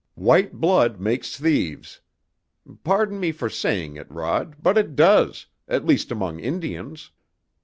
"White blood makes thieves. Pardon me for saying it, Rod, but it does, at least among Indians.